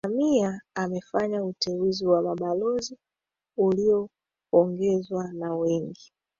Samia amefanya uteuzi wa mabalozi uliopongezwa na wengi